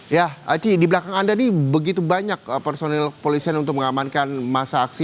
ya aci di belakang anda ini begitu banyak personil polisian untuk mengamankan masa aksi